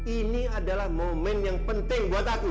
ini adalah momen yang penting buat aku